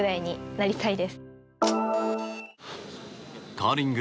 カーリング